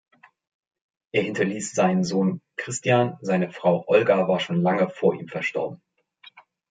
Er hinterließ seinen Sohn Christian, seine Frau Olga war schon lange vor ihm verstorben.